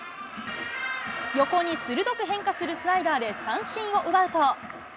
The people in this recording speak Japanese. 横に鋭く変化するスライダーで三振を奪うと。